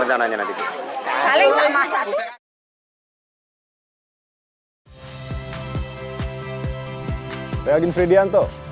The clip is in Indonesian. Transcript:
tapi berkat apapun yang kita terima pasti kita syukurin selalu